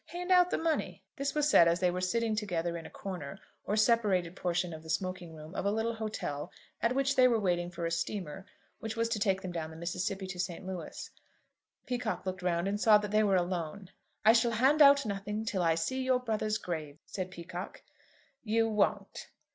Hand out the money." This was said as they were sitting together in a corner or separated portion of the smoking room of a little hotel at which they were waiting for a steamer which was to take them down the Mississippi to St. Louis. Peacocke looked round and saw that they were alone. "I shall hand out nothing till I see your brother's grave," said Peacocke. "You won't?"